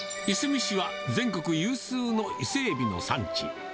いすみ市は、全国有数のイセエビの産地。